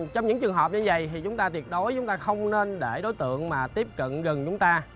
trong những trường hợp như vậy thì chúng ta tiệt đối không nên để đối tượng tiếp cận gần chúng ta